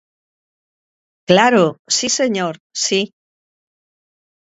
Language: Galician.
Claro, si señor, si.